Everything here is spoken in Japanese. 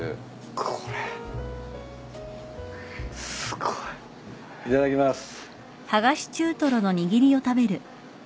すごい。いただきます。